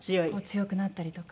強くなったりとか。